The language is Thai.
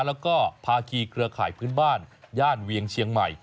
แล้วก็ภาคีเครือข่ายพื้นบ้านย่านเวียงเชียงใหม่